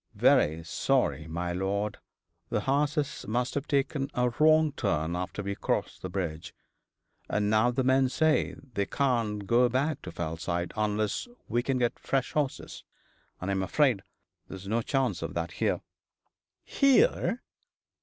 'Very sorry, my lord. The horses must have taken a wrong turn after we crossed the bridge. And now the men say they can't go back to Fellside unless we can get fresh horses; and I'm afraid there's no chance of that here.' 'Here!'